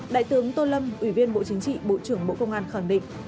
đại tướng tô lâm ủy viên bộ chính trị bộ trưởng bộ công an khẳng định